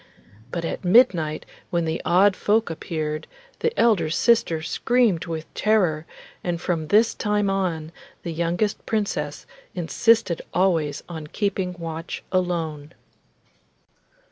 But at midnight, when the odd folk appeared, the elder sister screamed with terror, and from this time on the youngest Princess insisted always on keeping watch alone.